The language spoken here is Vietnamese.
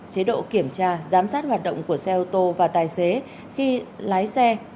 chế độ kiểm tra giám sát hoạt động của xe ô tô và tài xế khi lái xe